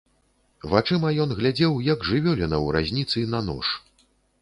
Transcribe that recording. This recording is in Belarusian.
Вачыма ён глядзеў, як жывёліна ў разніцы на нож.